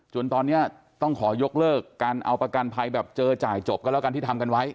จนตอนนี้ต้องขอยกเลิกการเอาประกันภัยแบบเจอจ่ายจบก็แล้วกันที่ทำกันไว้